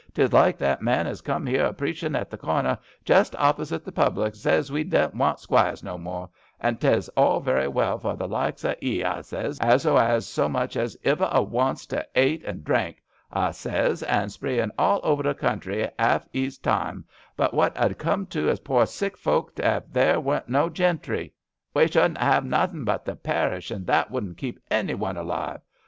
'Tes like that man as come 'ere a preachin' at the earner, just opposite the public, and zays we dedn't want squires no more. Ah I t'es all very well fur the like o' 'ee, I zays, as 'as so much as iver 'a wants to ate and drink, I zays, I70 GRANNY LOVELOCK AT HOME. and spreein' all over the country 'alf 'ees time; but what 'ud a come o' us poor sick folks ef there weren't no gentry? We shouldn't 'ave nothin' but the parish, and that wouldn't keep any one alive.